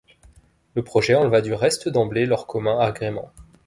Le projet enleva du reste d’emblée leur commun agrément.